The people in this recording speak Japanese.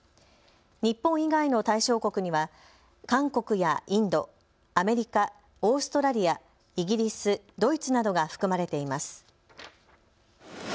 日本以外の対象国には韓国やインド、アメリカ、オーストラリア、イギリス、ドイツなどが含まれています。